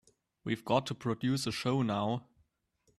We've got to produce a show now.